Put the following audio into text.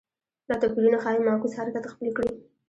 دا توپیرونه ښايي معکوس حرکت خپل کړي